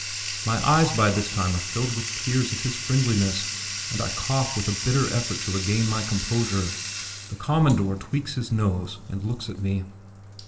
My eyes by this time are filled with tears at his friendliness, and I cough with a bitter effort to regain my composure. The "Commandor" tweaks his nose and looks at me.